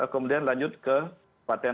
kemudian lanjut ke partian